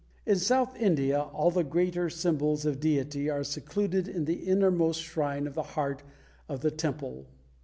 In South India all the greater symbols of deity are secluded in the innermost shrine, the heart of the Temple.